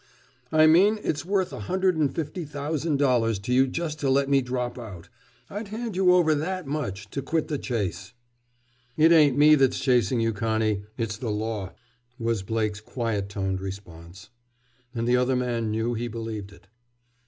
"I mean it's worth a hundred and fifty thousand dollars to you just to let me drop out. I'd hand you over that much to quit the chase." "It ain't me that's chasing you, Connie. It's the Law!" was Blake's quiet toned response. And the other man knew he believed it.